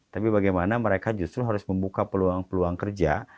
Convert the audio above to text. tapi bagaimana mereka justru harus membuka peluang peluang kerja